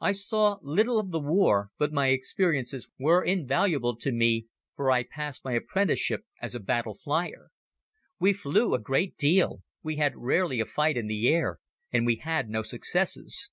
I saw little of the war but my experiences were invaluable to me, for I passed my apprenticeship as a battle flier. We flew a great deal, we had rarely a fight in the air and we had no successes.